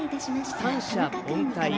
三者凡退。